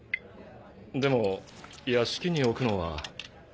でも屋敷に置くのは。